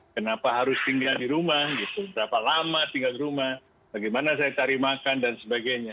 kenapa harus tinggal di rumah gitu berapa lama tinggal di rumah bagaimana saya cari makan dan sebagainya